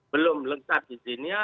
belum lengkap izinnya